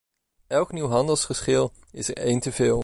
Elk nieuw handelsgeschil is er één teveel.